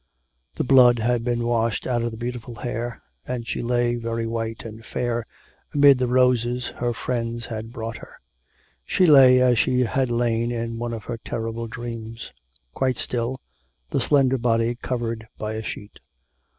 The blood had been washed out of the beautiful hair, and she lay very white and fair amid the roses her friends had brought her. She lay as she had lain in one of her terrible dreams quite still, the slender body covered by a sheet.